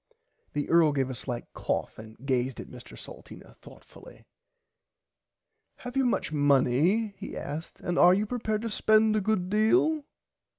The Earl gave a slight cough and gazed at Mr Salteena thourghtfully. Have you much money he asked and are you prepared to spend a good deal.